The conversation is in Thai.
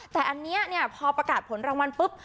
แต่อันนี้พอประกาศผลรางวัลปุ๊บ